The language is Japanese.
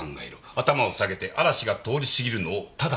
頭を下げて嵐が通り過ぎるのをただ待てと。